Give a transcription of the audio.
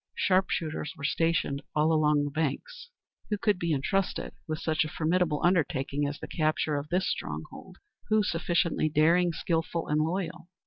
Sharpshooters were stationed all along the banks. Who could be entrusted with such a formidable undertaking as the capture of this stronghold? Who sufficiently daring, skilful, and loyal?